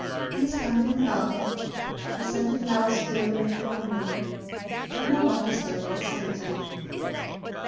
Bees hummed in the garden. The scent of flowers stole in at the window. But no one disturbed their solitude.